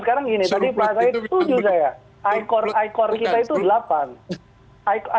sekarang gini tadi pak said tuju saya